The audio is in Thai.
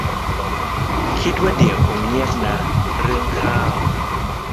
คิดว่าเดี๋ยวคงเงียบนะ เรื่องข้าว